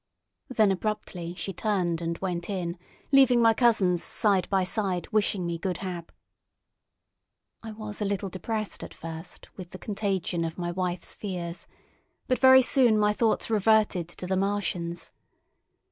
Then abruptly she turned and went in, leaving my cousins side by side wishing me good hap. I was a little depressed at first with the contagion of my wife's fears, but very soon my thoughts reverted to the Martians.